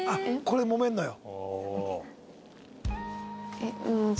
これもめるのよ。